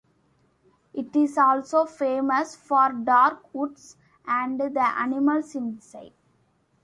It is also famous for dark woods and the animals inside.